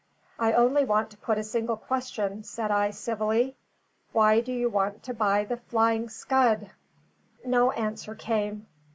"I only want to put a single question," said I, civilly. "Why do you want to buy the Flying Scud?" No answer came.